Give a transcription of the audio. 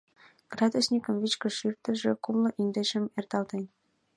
Градусникым вичкыж шӱртыжӧ кумло индешым эрталтен...